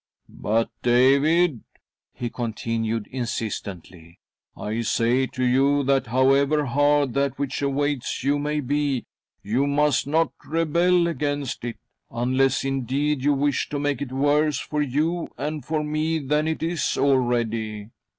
" But, David," he continued insistently, " I say .'■ i' ■■ THE DEATH CART 61 t % to you that, however hard that which awaits you may be, you must not rebel against it — unless indeed you wish to make it worse for you and for me than it is already.